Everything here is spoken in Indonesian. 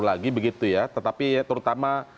lagi begitu ya tetapi terutama